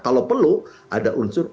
kalau perlu ada unsur